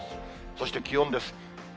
そして、気温です。